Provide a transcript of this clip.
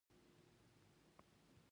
پۀ دې دوران کښې د درخانۍ د ترور